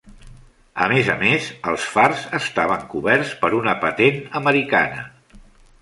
A més a més, els fars estaven coberts per una patent americana.